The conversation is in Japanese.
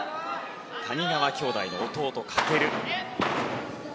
谷川兄弟の弟・翔。